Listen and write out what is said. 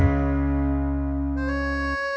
ini mau berkembang ya